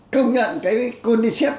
công nhận cái codisepine